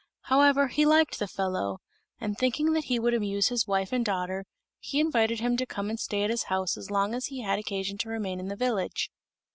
However, he liked the fellow; and thinking that he would amuse his wife and daughter, he invited him to come and stay at his house as long as he had occasion to remain in the village.